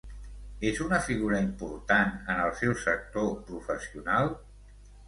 És una figura important en el seu sector professional?